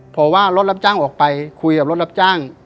พอว่ารถรับจ้างออกไปคุยกับรถรับจ้าง